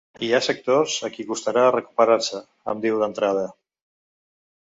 Hi ha sectors a qui costarà de recuperar-se, em diu d’entrada.